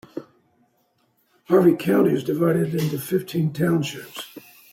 Harvey County is divided into fifteen townships.